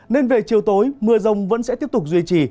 nên về chiều tối mưa rông vẫn sẽ tiếp tục duy trì